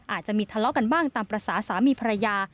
อาจจะมีทะเลาะกันบ้างตามภาษาสามีภรรยา